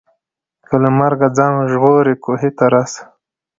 که له مرګه ځان ژغورې کوهي ته راسه